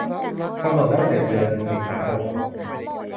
กำหนดแล้วเสร็จเดือนสิงหาคม